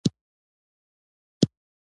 عثماني حکومت په ټینګښت کې پاتې راغلی و.